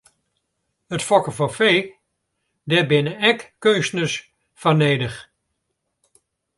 It fokken fan fee, dêr binne ek keunstners foar nedich.